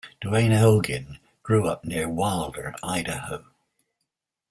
Duane Elgin grew up near Wilder, Idaho.